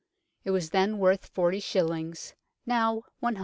It was then worth 40 shillings; now 100."